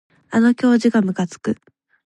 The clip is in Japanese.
あの教授がむかつく